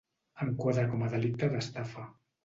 Enquadra com a delicte d'estafa.